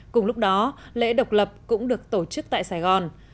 cùng lúc đó lễ độc lập cũng được tổ chức tại sài gòn